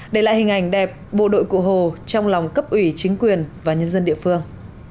để lại hình ảnh đẹp bộ đội cụ hồ trong lòng cấp ủy chính quyền và nhân dân địa phương